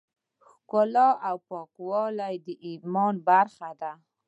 ښکلا او پاکوالی د ایمان برخه ده.